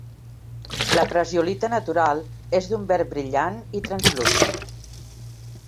La prasiolita natural és d'un verd brillant i translúcid.